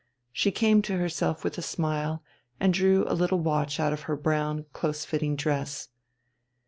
She came to herself with a smile, and drew a little watch out of her brown, close fitting dress.